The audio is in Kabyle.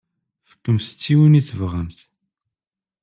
Fkemt-t i win i tebɣamt.